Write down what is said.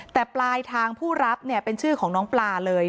แต่ปลายทางผู้รับเนี่ยเป็นชื่อของน้องปลาเลย